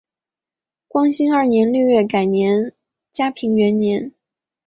光兴二年六月改元嘉平元年。